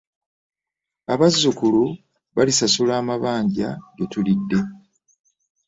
Abazzukulu balisasula amabanja ge tulidde.